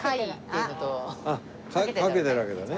あっかけてるわけだね。